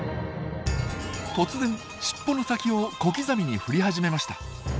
突然しっぽの先を小刻みに振り始めました。